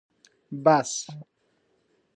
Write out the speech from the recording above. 🚍 بس